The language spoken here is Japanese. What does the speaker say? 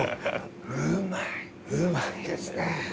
うまいですね。